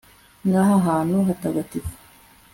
n'aha hantu hatagatifu